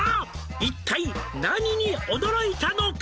「一体何に驚いたのか」